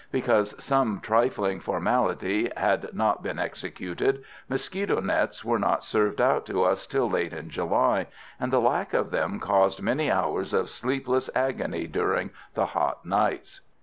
Because some trifling formality had not been executed, mosquito nets were not served out to us till late in July, and the lack of them caused many hours of sleepless agony during the hot nights.